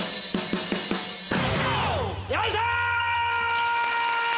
よいしょ！